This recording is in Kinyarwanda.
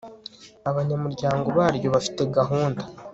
abanyamuryango baryo bafite gahunda